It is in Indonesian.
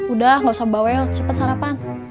udah nggak usah bawel cepet sarapan